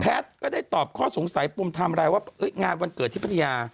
แพทย์ก็ได้ตอบข้อสงสัยปุ้มทำอะไรว่าเอ้ยงานวันเกิดที่ปฏิญา